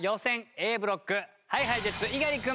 ＡブロックＨｉＨｉＪｅｔｓ猪狩君